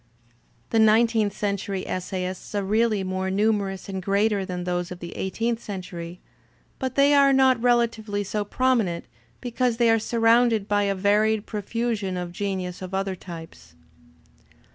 The nineteenth century essayists are really more numerous and greater than those of the eigh teenth century, but they are not relatively so prominent be cause they are surrounded by a varied profusion of genius of other types.